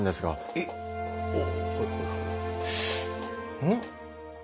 うん？